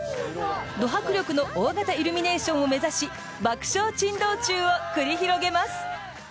ド迫力の大型イルミネーションを目指し爆笑珍道中を繰り広げます。